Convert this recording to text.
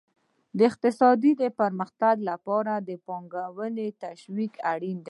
د اقتصادي پرمختګ لپاره د پانګونې تشویق اړین دی.